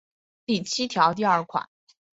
第七条第二款